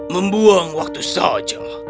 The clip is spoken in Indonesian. membuang waktu saja